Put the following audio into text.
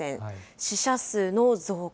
死者数の増加。